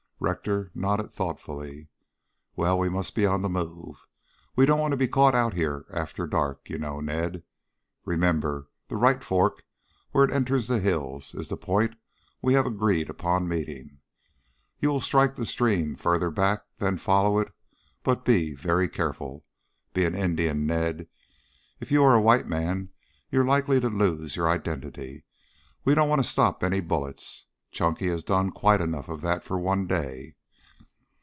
Rector nodded thoughtfully. "Well, we must be on the move. We don't want to be caught out here after dark, you know, Ned. Remember, the right fork, where it enters the hills, is the point we have agreed upon meeting. You will strike the stream farther back, then follow it, but be very careful. Be an Indian, Ned. If you are a white man you're likely to lose your identity. We don't want to stop any bullets. Chunky has done quite enough of that for one day."